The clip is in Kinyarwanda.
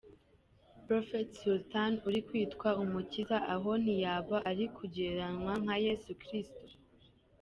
Prophet Sultan uri kwitwa umukiza aho ntiyaba ari kugereranywa nka Yesu Kristo?.